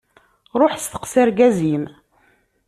Ruḥ steqsi argaz-im.